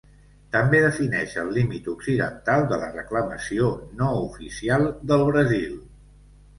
També defineix el límit occidental de la reclamació no oficial del Brasil.